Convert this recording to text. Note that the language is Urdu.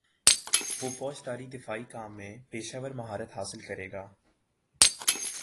وہ فوجداری دفاعی کام میں پیشہور مہارت حاصل کرے گا